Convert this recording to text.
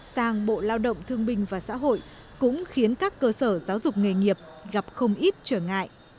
sang bộ lao động thương binh và xã hội cũng khiến các cơ sở giáo dục nghề nghiệp gặp không ít trở ngại